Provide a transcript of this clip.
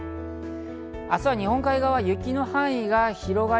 明日は日本海側、雪の範囲が広がり